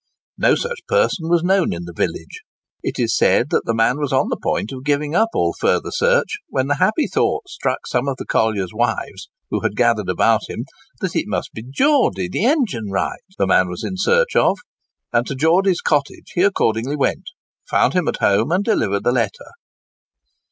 No such person was known in the village. It is said that the man was on the point of giving up all further search, when the happy thought struck some of the colliers' wives who had gathered about him, that it must be "Geordie the engine wright" the man was in search of; and to Geordie's cottage he accordingly went, found him at home, and delivered the letter.